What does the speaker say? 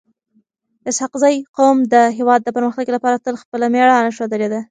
اسحق زي قوم د هیواد د پرمختګ لپاره تل خپل میړانه ښودلي ده.